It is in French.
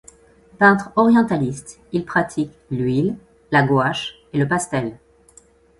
Peintre orientaliste, il pratique l'huile, la gouache et le pastel.